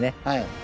はい。